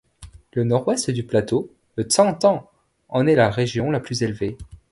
Le nord-ouest du plateau, le Changtang, en est la région la plus élevée.